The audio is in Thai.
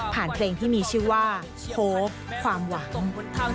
เพลงที่มีชื่อว่าโค้กความหวัง